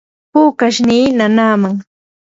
pukashnii nanaaman.